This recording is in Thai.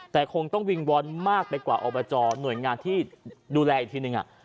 แต่คงต้องวิงวอนมากไปกว่าอบจหน่วยงานที่ดูแลอีกทีนึง